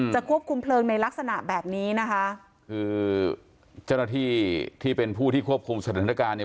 ควบคุมเพลิงในลักษณะแบบนี้นะคะคือเจ้าหน้าที่ที่เป็นผู้ที่ควบคุมสถานการณ์เนี่ย